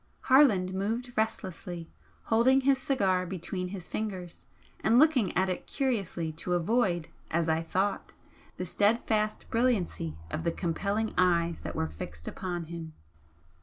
Harland moved restlessly, holding his cigar between his fingers and looking at it curiously to avoid, as I thought, the steadfast brilliancy of the compelling eyes that were fixed upon him.